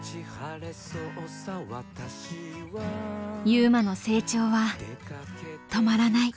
優真の成長は止まらない。